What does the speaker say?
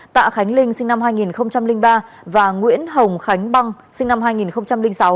tạ khánh linh sinh năm hai nghìn ba và nguyễn hồng khánh băng sinh năm hai nghìn sáu